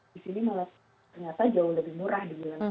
di sini malah ternyata jauh lebih murah